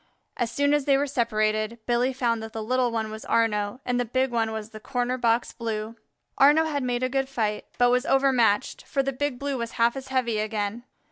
As soon as they were separated Billy found that the little one was Arnaux and the big one was the Corner box Blue. Arnaux had made a good fight, but was overmatched, for the Big Blue was half as heavy again.